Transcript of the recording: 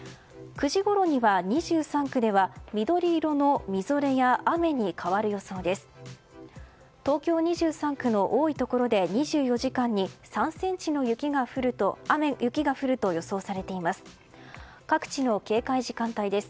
９時ごろには２３区では緑色のみぞれや雨に変わる予想です。